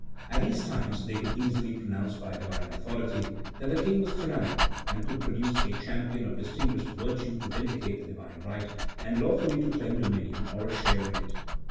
At these times they could easily pronounce by Divine authority that the king was tyrannical, and could produce a champion of distinguished virtue to vindicate the Divine right, and lawfully to claim dominion, or a share in it.